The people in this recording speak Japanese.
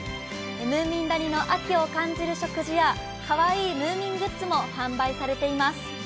ムーミン谷の秋を感じる食事や、かわいいムーミングッズも販売されています。